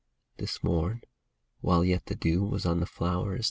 This morn, while yet the dew was on the flowers.